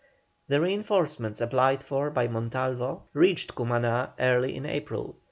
The reinforcements applied for by Montalvo reached Cumaná early in April.